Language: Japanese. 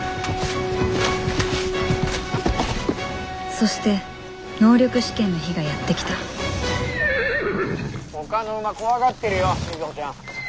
そして能力試験の日がやって来たほかの馬怖がってるよ瑞穂ちゃん。